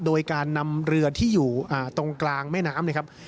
โดยการนำเรือที่อยู่ตรงกลางแม่น้ำนะครับ